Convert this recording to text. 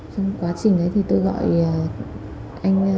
trong quá trình đấy thì tôi gọi